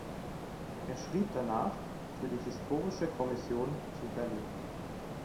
Er schrieb danach für die Historische Kommission zu Berlin.